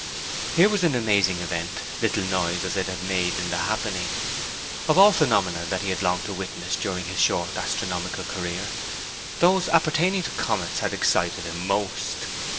Here was an amazing event, little noise as it had made in the happening. Of all phenomena that he had longed to witness during his short astronomical career, those appertaining to comets had excited him most.